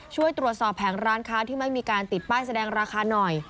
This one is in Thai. ช่วยตรวจสอบแผงร้านค้าที่ไม่มีการติดป้ายแสดงราคาหน่อย